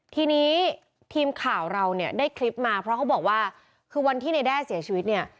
ทีนี้ทีมข่าวเราเนี่ยได้คลิปมาเพราะเขาบอกว่าคือวันที่ในแด้เสียชีวิตเนี่ย